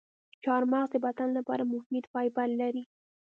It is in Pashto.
چارمغز د بدن لپاره مفید فایبر لري.